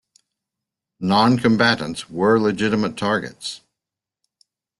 Noncombatants were legitimate targets.